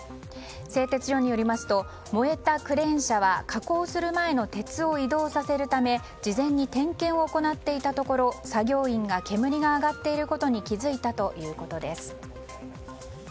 製鉄所によりますと燃えたクレーン車は加工する前の鉄を移動させるため事前に点検を行っていたところ作業員が煙が上がっていることに気付いたということです。